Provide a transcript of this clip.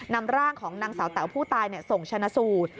นำร่างของนางสาวแต๋วผู้ตายส่งชนะสูตร